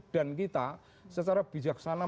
dan kita secara bijaksana